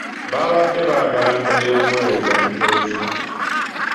Babadde baagala mbeere muweereza mu Kereziya.